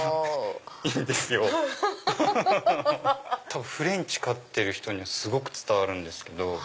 多分フレンチ飼ってる人にはすごく伝わるんですけど。